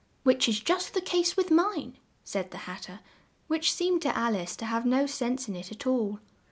"Which is just the case with mine," said the Hat ter; which seemed to Al ice to have no sense in it at all.